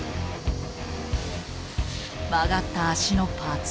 曲がった足のパーツ。